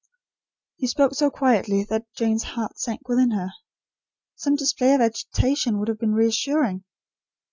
He spoke so quietly that Jane's heart sank within her. Some display of agitation would have been reassuring.